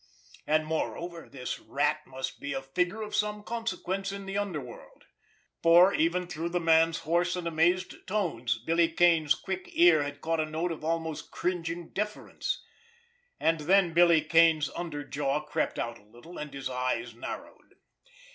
And, moreover, this Rat must be a figure of some consequence in the underworld; for, even through the man's hoarse and amazed tones, Billy Kane's quick ear had caught a note of almost cringing deference. And then Billy Kane's under jaw crept out a little, and his eyes narrowed.